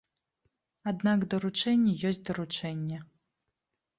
Аднак даручэнне ёсць даручэнне.